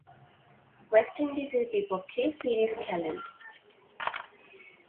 West ইন্ডিজের বিপক্ষে series খেলেন।